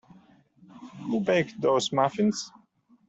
Who baked those muffins?